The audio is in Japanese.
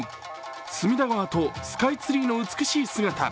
隅田川とスカイツリ−の美しい姿。